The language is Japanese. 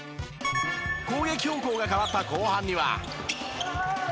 攻撃方向が変わった後半には。